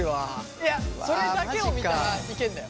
いやそれだけを見たらいけるんだよ。